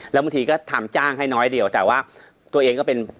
แล้วบางทีก็ทำจ้างให้น้อยเดียวแต่ว่าตัวเองก็เป็น